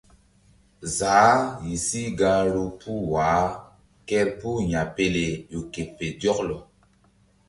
Zaah yih si gahru puh wah kerpuh Yapele ƴo ke fe zɔklɔ.